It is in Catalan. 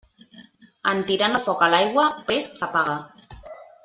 En tirant el foc a l'aigua, prest s'apaga.